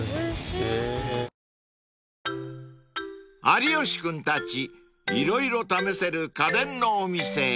［有吉君たち色々試せる家電のお店へ］